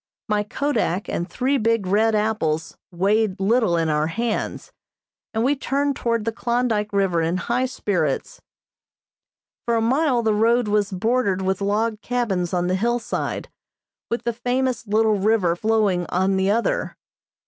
My kodak and three big red apples weighed little in our hands, and we turned toward the Klondyke River in high spirits. For a mile the road was bordered with log cabins on the hillside, with the famous little river flowing on the other.